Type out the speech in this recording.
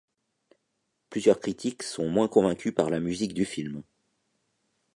Plusieurs critiques sont moins convaincus par la musique du film.